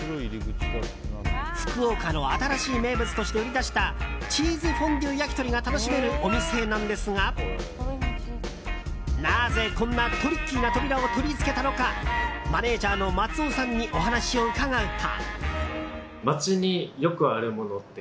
福岡の新しい名物として売り出したチーズフォンデュ焼き鳥が楽しめるお店なんですがなぜこんなトリッキーな扉を取り付けたのかマネジャーの松尾さんにお話を伺うと。